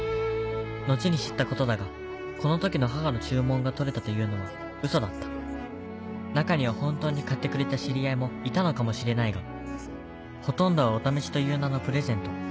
後に知ったことだがこの時の母の注文が取れたというのはウソだった中には本当に買ってくれた知り合いもいたのかもしれないがほとんどはお試しという名のプレゼント